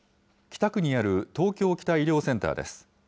北区にある東京北医療センターです。